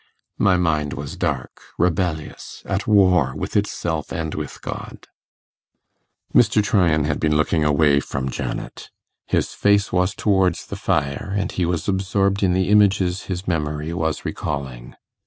My mind was dark, rebellious, at war with itself and with God.' Mr. Tryan had been looking away from Janet. His face was towards the fire, and he was absorbed in the images his memory was recalling.